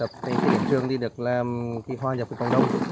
và cái trẻ khởi tập thì cái trường thì được làm hoa nhập của cộng đồng